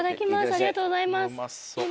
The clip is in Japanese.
ありがとうございます。